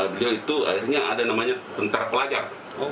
beliau itu akhirnya ada namanya tentara pelajar